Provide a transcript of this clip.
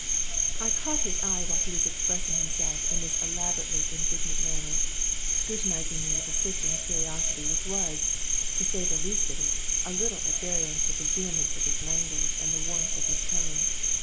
"I caught his eye while he was expressing himself in this elaborately indignant manner, scrutinizing me with a searching curiosity which was, to say the least of it, a little at variance with the vehemence of his language and the warmth of his tone.